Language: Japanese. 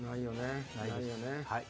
ないよね？